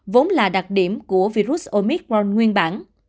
vốn là đặc điểm của virus omicron nguyên bản